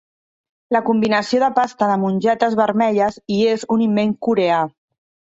La combinació de pasta de mongetes vermelles i és un invent coreà.